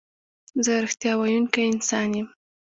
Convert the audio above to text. زه رښتیا ویونکی انسان یم.